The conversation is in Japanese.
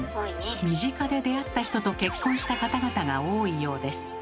身近で出会った人と結婚した方々が多いようです。